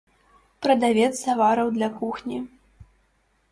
Прадавец тавараў для кухні.